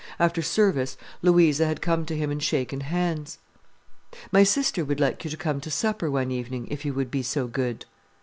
After service Louisa had come to him and shaken hands. "My sister would like you to come to supper one evening, if you would be so good."